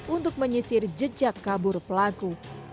untuk menyisir jejak kabur pelaku